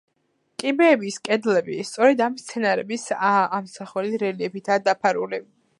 კიბეების კედლები სწორედ ამ სცენების ამსახველი რელიეფებითაა დაფარული.